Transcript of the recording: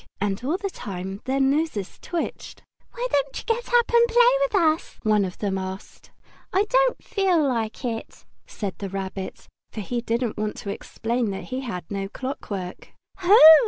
And all the time their noses twitched. "Why don't you get up and play with us?" one of them asked. "I don't feel like it," said the Rabbit, for he didn't want to explain that he had no clockwork. "Ho!"